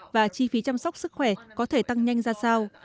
và chi phí chăm sóc sức khỏe có thể tăng nhanh ra sao